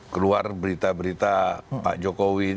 keluar berita berita pak jokowi